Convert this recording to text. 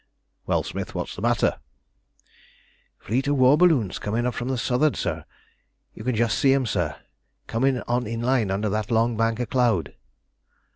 "Well, Smith, what's the matter?" "Fleet of war balloons coming up from the south'ard, sir. You can just see 'em, sir, coming on in line under that long bank of cloud."